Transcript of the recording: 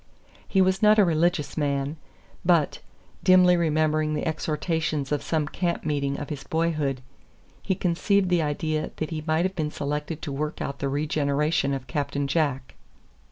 He was not a religious man, but, dimly remembering the exhortations of some camp meeting of his boyhood, he conceived the idea that he might have been selected to work out the regeneration of Captain Jack.